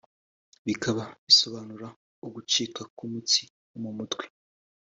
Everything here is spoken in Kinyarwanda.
bikaba bisobanura ugucika k’umutsi wo mu mutwe